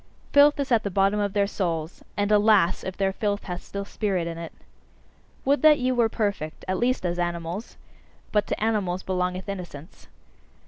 Filth is at the bottom of their souls; and alas! if their filth hath still spirit in it! Would that ye were perfect at least as animals! But to animals belongeth innocence.